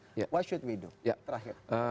apa yang harus kita lakukan